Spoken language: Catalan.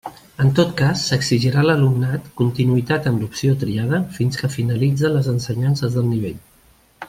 En tot cas, s'exigirà a l'alumnat continuïtat en l'opció triada fins que finalitze les ensenyances del nivell.